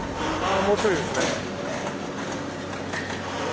もうちょいですね。